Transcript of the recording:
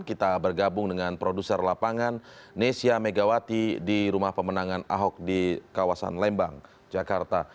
kita bergabung dengan produser lapangan nesya megawati di rumah pemenangan ahok di kawasan lembang jakarta